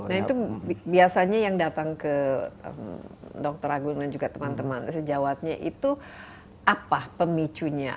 nah itu biasanya yang datang ke dokter agung dan juga teman teman sejawatnya itu apa pemicunya